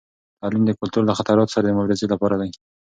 تعلیم د کلتور له خطراتو سره د مبارزې لپاره دی.